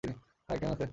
High, কেমন আছেন?